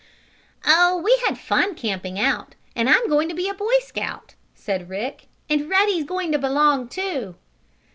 "Oh, we had fun camping out, and I'm going to be a Boy Scout," said Rick. "And Ruddy's going to belong, too!"